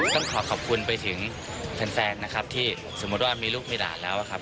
ต้องขอขอบคุณไปถึงแฟนนะครับที่สมมุติว่ามีลูกมีด่าแล้วครับ